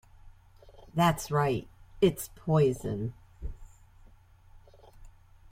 That's right, it's poison!